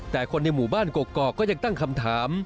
แต่คนในหมู่บ้านกกอกก็ยังตั้งคำถาม